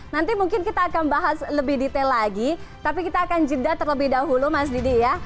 nanti mungkin kita akan bahas lebih detail lagi tapi kita akan jeda terlebih dahulu mas didi ya